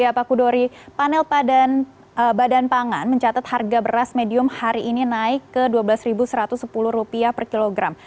ya pak kudori panel badan pangan mencatat harga beras medium hari ini naik ke rp dua belas satu ratus sepuluh per kilogram